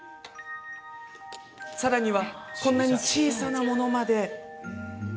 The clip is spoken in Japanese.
さらにはこんなに小さなものまで。